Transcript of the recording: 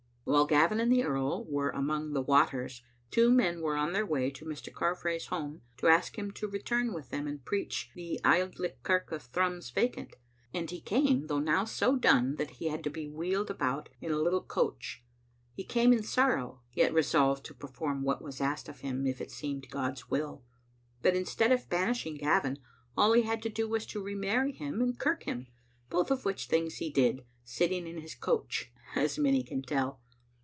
While Gavin and the earl were among the waters, two men were on their way to Mr. Carfrae's home, to ask him to return with them and preach the Auld Licht kirk of Thrums vacant; and he came, though now so (lone that he had to be wheeled about in a little coach* Digitized by VjOOQ IC ttam of a Xittle AiAb. d7i He came in sorrow, yet resolved to perform what was asked of him if it seemed God*s will ; but, instead of banishing Gavin, all he had to do was to remarry him and kirk him, both of which things he did, sitting in his coach, as many can tell.